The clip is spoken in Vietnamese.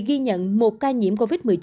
ghi nhận một ca nhiễm covid một mươi chín